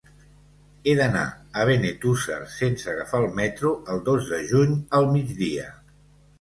He d'anar a Benetússer sense agafar el metro el dos de juny al migdia.